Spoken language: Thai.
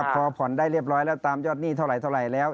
พอผ่อนได้เรียบร้อยแล้วตามยอดหนี้เท่าไหร่แล้ว